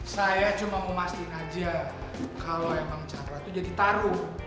saya cuma mau mastiin aja kalo emang chandra tuh jadi taruh